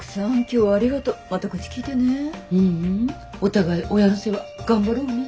ううんお互い親の世話頑張ろうね。